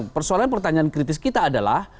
persoalan pertanyaan kritis kita adalah